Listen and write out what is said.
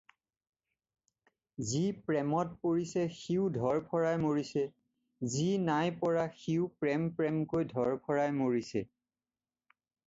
" যি প্ৰেমত পৰিছে সিও ধৰফৰাই মৰিছে, যি নাই পৰা সিও প্ৰেম প্ৰেমকৈ ধৰফৰাই মৰিছে।"